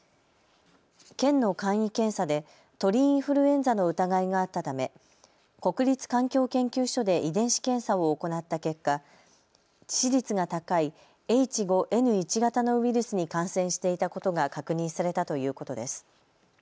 県の簡易検査で鳥インフルエンザの疑いがあったため、国立環境研究所で遺伝子検査を行った結果、致死率が高いＨ５Ｎ１型のウイルスに感染していたことが確認されたということです。